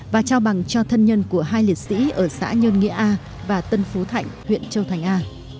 và trao bằng cho thân nhân của hai liệt sĩ ở xã nhơn nghĩa a và tân phú thạnh huyện châu thành a